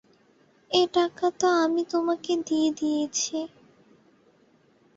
এ টাকা তো আমি তোমাকে দিয়ে দিয়েছি।